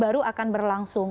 baru akan berlangsung